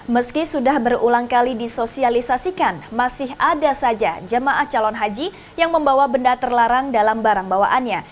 meski sudah berulang kali disosialisasikan masih ada saja jemaah calon haji yang membawa benda terlarang dalam barang bawaannya